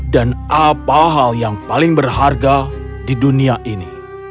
dan apa hal yang paling berharga di dunia ini